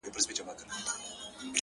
هم عقل وينم- هم هوا وينم- هم ساه وينم-